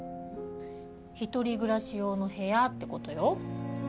一人暮らし用の部屋って事よ。